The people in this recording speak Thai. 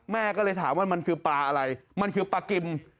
แม่ก็เลยถามว่ามันคือปลาอะไรมันคือปลากิม